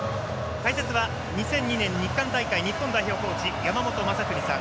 解説は２００２年日韓大会、元日本代表の山本昌邦さん